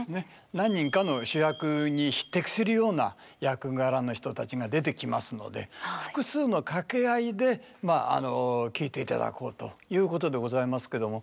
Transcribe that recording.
何人かの主役に匹敵するような役柄の人たちが出てきますので複数の掛合で聴いていただこうということでございますけども。